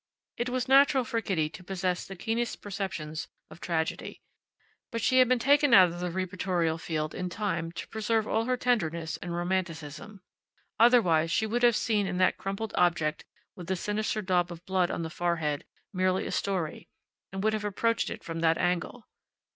It was natural for Kitty to possess the keenest perceptions of tragedy; but she had been taken out of the reportorial field in time to preserve all her tenderness and romanticism. Otherwise she would have seen in that crumpled object with the sinister daub of blood on the forehead merely a story, and would have approached it from that angle.